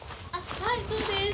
はいそうです。